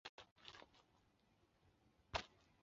同时播出部分参赛者与监制黄慧君之对谈。